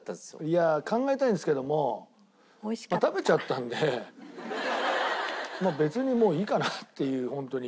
いや考えたいんですけどもまあ食べちゃったんで別にもういいかなっていう本当に。